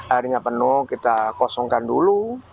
airnya penuh kita kosongkan dulu